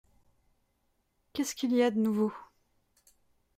Qu’est-ce qu’il y a de nouveau ?